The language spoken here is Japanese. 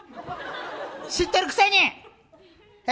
知ってるくせに！